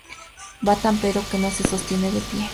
Va tan pedo que no se sostiene de pie